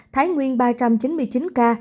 thái nguyên ba trăm chín mươi chín ca